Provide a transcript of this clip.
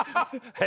え？